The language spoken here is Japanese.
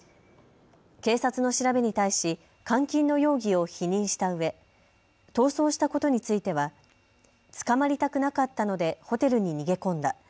警察の調べに対し監禁の容疑を否認したうえ逃走したことについては捕まりたくなかったのでホテルに逃げ込んだ。